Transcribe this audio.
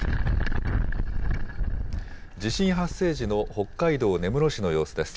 地震発生時の北海道根室市の様子です。